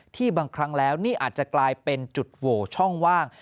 บางครั้งแล้วนี่อาจจะกลายเป็นจุดโหวช่องว่าง